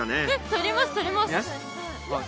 足ります！